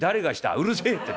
「うるせえって！